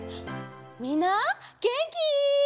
みんなげんき？